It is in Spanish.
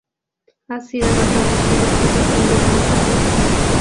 Ha sido reproducida y refundida muchas veces.